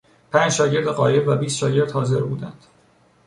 پنج شاگرد غایب و بیست شاگرد حاضر بودند.